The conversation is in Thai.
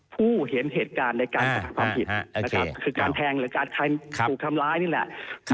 ถูกคำร้ายนี้แหละ